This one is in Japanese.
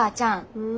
うん？